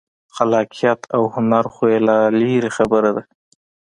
خلاقیت او هنر خو یې لا لرې خبره ده.